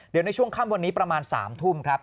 เดี๋ยวในช่วงค่ำวันนี้ประมาณ๓ทุ่มครับ